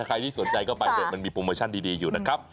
ใครที่สนใจก็ไปเนี่ยมันมีโปรโมชั่นดีอยู่นะครับ